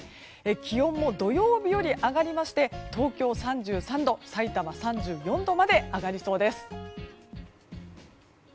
気温も土曜日より上がりまして東京、３３度さいたま、３４度まで上がりそうです。